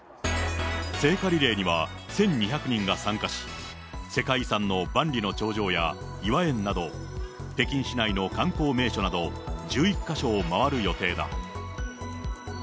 聖火リレーには１２００人が参加し、世界遺産の万里の長城や、頤和園など、北京市内の観光名所など１１か所を回る予定だ。